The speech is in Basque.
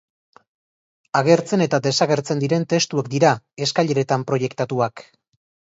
Agertzen eta desagertzen diren testuak dira, eskaileretan proiektatuak.